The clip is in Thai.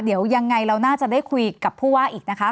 เดี๋ยวยังไงเราน่าจะได้คุยกับผู้ว่าอีกนะคะ